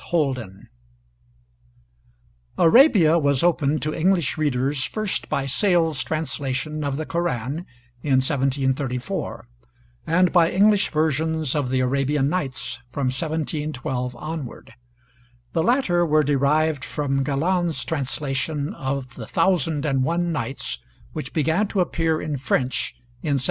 HOLDEN Arabia was opened to English readers first by Sale's translation of the 'Kuran,' in 1734; and by English versions of the 'Arabian Nights' from 1712 onward. The latter were derived from Galland's translation of the 'Thousand and One Nights,' which began to appear, in French, in 1704.